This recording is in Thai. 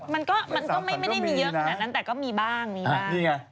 มันก็ไม่ได้มีเยอะแบบนั้นแต่ก็มีบ้าง